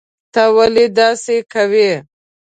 ته ولي داسي کوي